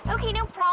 oke tidak masalah